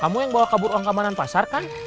kamu yang bawa kabur uang keamanan pasar kan